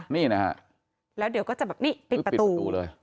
นี่ค่ะแล้วเดี๋ยวก็จะปิดประตู